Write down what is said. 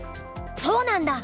そうなんだ。